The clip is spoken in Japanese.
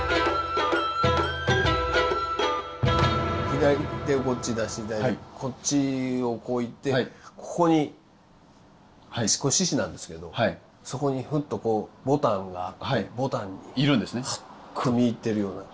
左手をこっち出していただいてこっちをこういってここにこれ獅子なんですけどそこにふっとこうボタンがあってボタンにハッと見入ってるような。